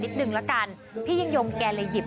นิดหนึ่งละกันพี่ยังยงแกละหยิบ